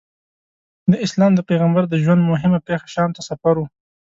د اسلام د پیغمبر د ژوند موهمه پېښه شام ته سفر و.